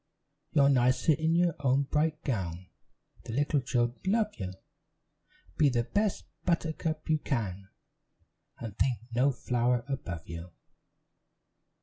"You're nicer in your own bright gown, The little children love you; Be the best buttercup you can, And think no flower above you.